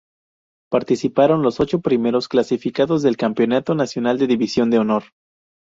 Participaron los ocho primeros clasificados del Campeonato Nacional de División de Honor.